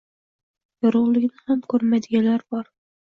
Yorug’likni ham ko’rmaydiganlar bor.